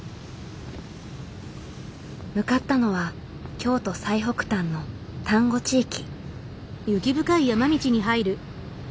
向かったのは京都最北端の丹後地域。